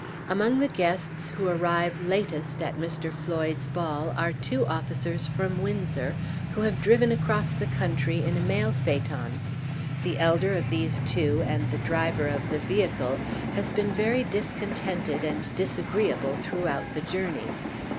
Among the guests who arrive latest at Mr. Floyd's ball are two officers from Windsor, who have driven across the country in a mail phaeton. The elder of these two, and the driver of the vehicle, has been very discontented and disagreeable throughout the journey.